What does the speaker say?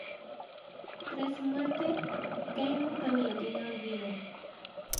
Tras su muerte, cae en un paulatino olvido.